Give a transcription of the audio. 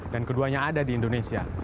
dan keduanya ada di indonesia